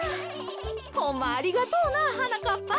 ホンマありがとうなはなかっぱ。